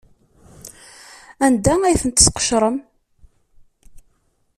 Anda ay tent-tesqecrem?